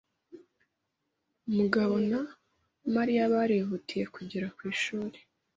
Mugabona Mariya barihutiye kugera ku ishuri.